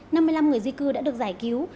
năm mươi năm người di cư đã được giải cứu